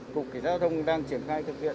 cục kỳ giáo thông đang triển khai thực hiện